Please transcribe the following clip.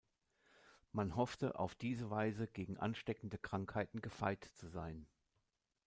Man hoffte, auf diese Weise gegen ansteckende Krankheiten gefeit zu sein.